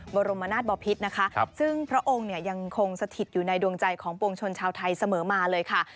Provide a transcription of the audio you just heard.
บรมนาศบอพิษนะคะซึ่งพระองค์เนี่ยยังคงสถิตอยู่ในดวงใจของปวงชนชาวไทยเสมอมาเลยค่ะ